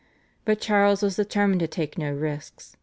But Charles was determined to take no risks.